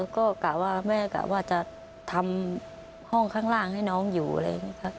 ก็กะว่าแม่กะว่าจะทำห้องข้างล่างให้น้องอยู่อะไรอย่างนี้ครับ